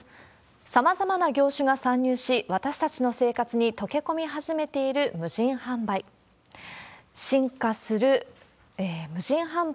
さまざまな業種が参入し、私たちの生活に溶け込み始めている無人販売。